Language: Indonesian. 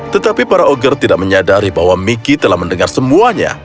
tetapi para ogger tidak menyadari bahwa miki telah mendengar semuanya